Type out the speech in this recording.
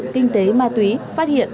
kinh tế ma túy phát hiện